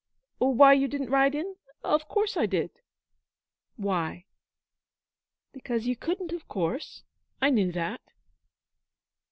'Why you didn't ride in? Of course I did,' 'Why?' 'Because you couldn't of course. I knew that.'